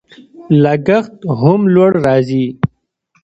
لګښت هم لوړ راځي.